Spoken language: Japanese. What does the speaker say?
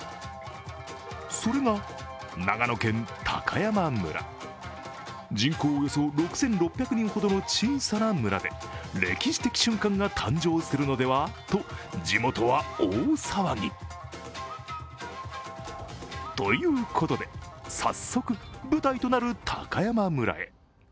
それが長野県高山村、人口およそ６６００人ほどの小さな村で歴史的瞬間が誕生するのではと地元は大騒ぎ。ということで、早速、舞台となる高山村へ。